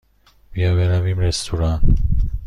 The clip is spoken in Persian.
بیا برویم رستوران.